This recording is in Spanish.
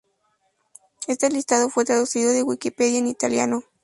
Este listado fue traducido de Wikipedia en italiano.